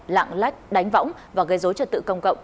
lạng lách đánh võng và gây dối trật tự công cộng